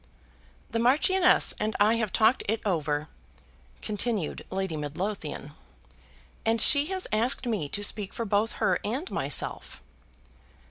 "The Marchioness and I have talked it over," continued Lady Midlothian, "and she has asked me to speak for both her and myself."